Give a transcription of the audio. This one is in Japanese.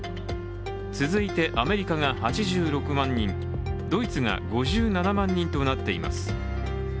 続いてアメリカが８６万人、ドイツが５７万人となっています。